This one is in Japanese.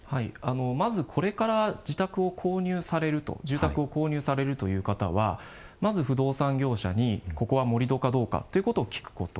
まず、これから住宅を購入されるという方はまず、不動産業者にここは盛土かどうかということを聞くこと。